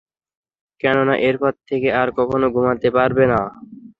কেননা এরপর থেকে আর কখনো ঘুমাতে পারবে না!